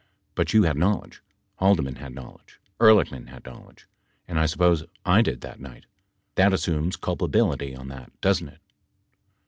But you had knowledge; Haldeman had knowledge; Ehrlichman had knowledge and I suppose I did that night. That assumes culpability on that, doesn't it?